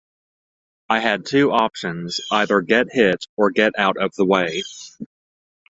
I had two options - either get hit or get out of the way.